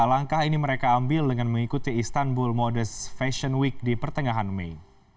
langkah ini mereka ambil dengan mengikuti istanbul modest fashion week di pertengahan mei